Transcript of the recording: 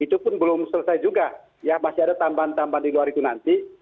itu pun belum selesai juga ya masih ada tambahan tambahan di luar itu nanti